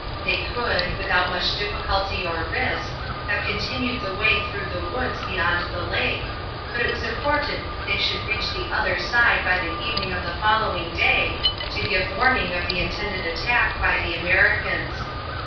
They could, without much difficulty or risk, have continued the way through the woods beyond the lake, but it was important that they should reach the other side by the evening of the following day, to give warning of the intended attack by the Americans.